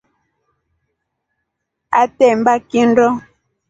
Atemba kindo.